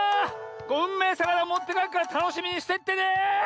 うんめえさかなもってかえっからたのしみにしてってね！